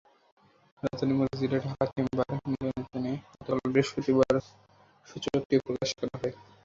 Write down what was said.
রাজধানীর মতিঝিলে ঢাকা চেম্বার মিলনায়তনে গতকাল বৃহস্পতিবার সূচকটি প্রকাশ করা হয়।